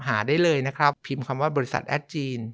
หาได้เลยนะครับพิมพ์คำว่าบริษัทแอดจีน